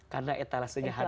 karena etalasanya hati